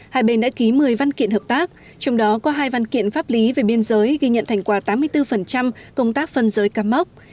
hai bên đã ký một mươi văn kiện hợp tác trong đó có hai văn kiện pháp lý về biên giới ghi nhận thành quả tám mươi bốn công tác phân giới cam mốc